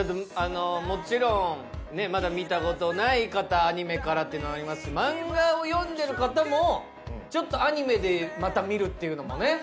もちろんねっまだ観たことない方アニメからっていうのありますし漫画を読んでる方もちょっとアニメでまた観るっていうのもね